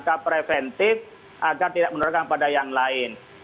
sikap preventif agar tidak menurunkan pada yang lain